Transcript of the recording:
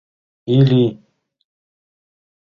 — Илли!